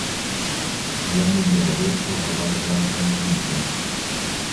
La nigra vosto havas blankan pinton.